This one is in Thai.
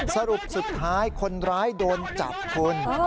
สรุปสุดท้ายคนร้ายโดนจับคุณ